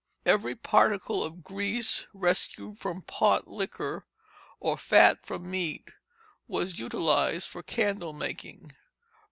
Every particle of grease rescued from pot liquor, or fat from meat, was utilized for candle making.